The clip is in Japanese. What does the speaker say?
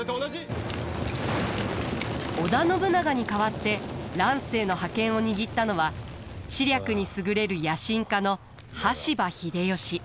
織田信長に代わって乱世の覇権を握ったのは知略に優れる野心家の羽柴秀吉。